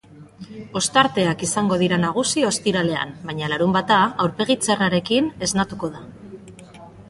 Ostarteak izango dira nagusi ostiralean, baina larunbata aurpegi txarrarekin esnatuko da.